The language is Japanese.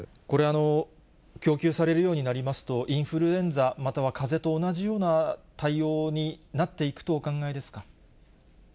これ、供給されるようになりますと、インフルエンザ、またはかぜと同じような対応になっていくとお考えですか。